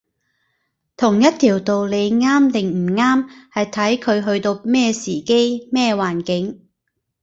同一條道理啱定唔啱，係睇佢去到咩時機，咩環境